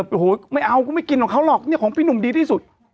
โอ้โหไม่เอากูไม่กินของเขาหรอกเนี่ยของพี่หนุ่มดีที่สุด